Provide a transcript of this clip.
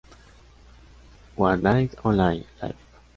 One Night Only: Live!